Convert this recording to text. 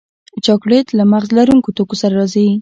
چاکلېټ له مغز لرونکو توکو سره راځي.